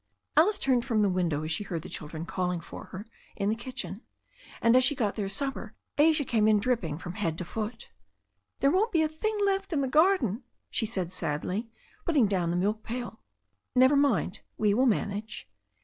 Alice turned from the window as she heard the children calling for her in the kitchen, and as she got their supper Asia came in dripping from head to foot. "There won't be a thing left in the garden," she said sadly, putting down the milk pail. "Never mind. We will manage."